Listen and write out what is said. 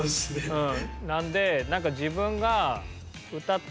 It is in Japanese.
うん。